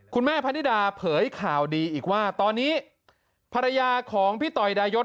พะนิดาเผยข่าวดีอีกว่าตอนนี้ภรรยาของพี่ต่อยดายศ